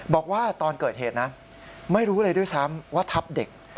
บอกว่าตอนเกิดเหตุนะไม่รู้เลยด้วยซ้ำว่าทับเด็ก